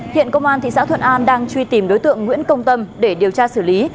hiện công an thị xã thuận an đang truy tìm đối tượng nguyễn công tâm để điều tra xử lý